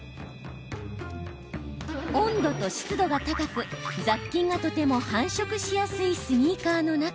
温度と湿度が高く雑菌がとても繁殖しやすいスニーカーの中。